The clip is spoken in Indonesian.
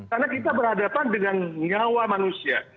karena kita berhadapan dengan nyawa manusia